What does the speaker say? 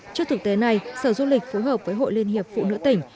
trước thực tế này sở du lịch phối hợp với hội liên hiệp phụ nữ tỉnh